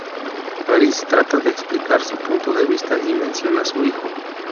Varys trata de explicar su punto de vista y menciona a su hijo.